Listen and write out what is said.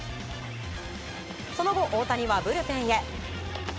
その後、大谷はブルペンへ。